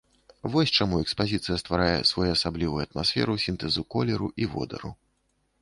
Вось чаму экспазіцыя стварае своеасаблівую атмасферу сінтэзу колеру і водару.